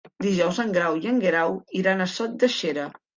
Dijous en Grau i en Guerau iran a Sot de Xera.